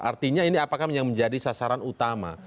artinya ini apakah yang menjadi sasaran utama